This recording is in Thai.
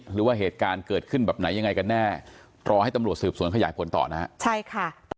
หรือว่าเหตุการณ์เกิดขึ้นแบบไหนยังไงกันแน่รอให้ตำรวจสืบสวนขยายผลต่อนะฮะใช่ค่ะ